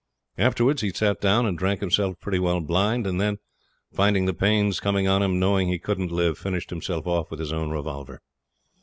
Afterwards, he'd sat down and drank himself pretty well blind; and then, finding the pains coming on him, and knowing he couldn't live, finished himself off with his own revolver.